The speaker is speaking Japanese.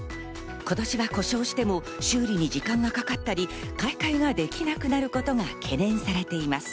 今年は故障しても修理に時間がかかったり、買い替えができなくなることが懸念されています。